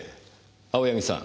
青柳さん